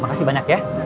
makasih banyak ya